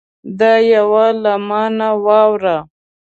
دا یوه له ما نه واوره